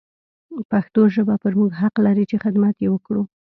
پښتو ژبه پر موږ حق لري چې حدمت يې وکړو.